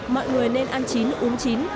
mọi người nên ăn chín uống chín